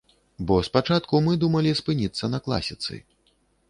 Бо спачатку мы думалі спыніцца на класіцы.